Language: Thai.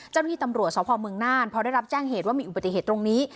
เจ้าหน้าที่ตำรวจสพเมืองน่านพอได้รับแจ้งเหตุว่ามีอุบัติเหตุตรงนี้